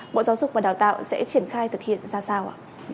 bộ giáo dục và đào tạo sẽ triển khai thực hiện ra sao ạ